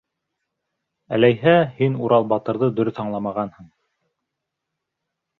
Әләйһәң, һин «Урал батыр»ҙы дөрөҫ аңламағанһың.